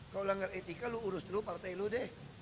kalau melanggar etika lo urus dulu partai lo deh